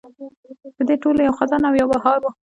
د دې ټولو یو خزان او یو بهار و.